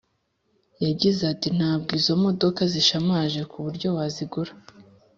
Yagize ati: Ntabwo izo modoka zishamaje kuburyo wazigura